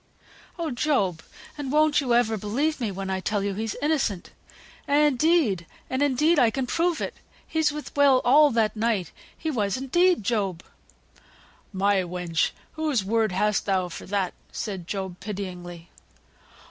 "Oh! Job, and won't you ever believe me when I tell you he's innocent? Indeed, and indeed I can prove it; he was with Will all that night; he was, indeed, Job!" "My wench! whose word hast thou for that?" said Job, pityingly.